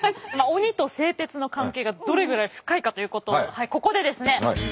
鬼と製鉄の関係がどれぐらい深いかということをここでですね